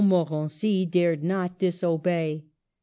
Montmorency dared not disobey.